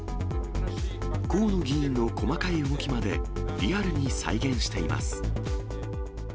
河野議員の細かい動きまで、リアルに再現しています。